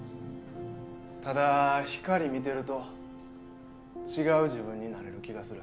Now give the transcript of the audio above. ただ光見てると違う自分になれる気がする。